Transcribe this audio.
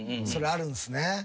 それあるんすね。